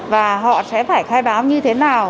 và họ sẽ phải khai báo như thế nào